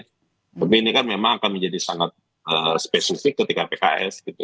tapi ini kan memang akan menjadi sangat spesifik ketika pks gitu